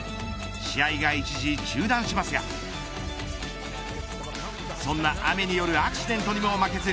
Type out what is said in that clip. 試合が、一時中断しますがそんな雨によるアクシデントにも負けず